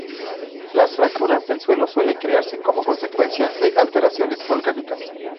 Las fracturas del suelo suelen crearse como consecuencia de alteraciones volcánicas.